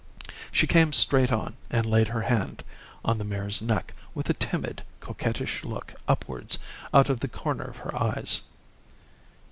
She came straight on and laid her hand on the mare's neck with a timid, coquettish look upwards out of the corner of her eyes.